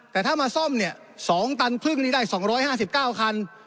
แต่ถ้ามาซ่อมเนี่ยสองตันครึ่งนี้ได้สองร้อยห้าสิบเก้าคัน